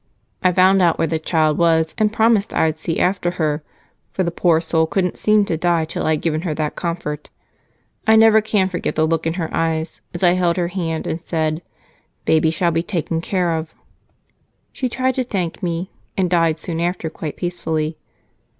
I found out where the child was, and promised I'd see after her for the poor soul couldn't seem to die till I'd given her that comfort. I never can forget the look in her eyes as I held her hand and said, 'Baby shall be taken care of.' She tried to thank me, and died soon after quite peacefully.